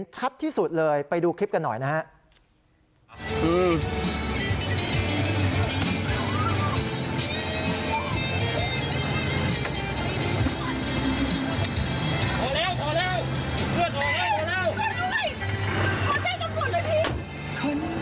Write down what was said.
ชัดที่สุดเลยไปดูคลิปกันหน่อยนะฮะ